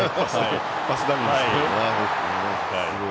パスダミーですね。